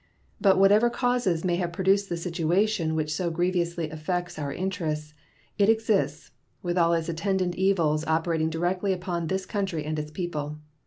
But whatever causes may have produced the situation which so grievously affects our interests, it exists, with all its attendant evils operating directly upon this country and its people.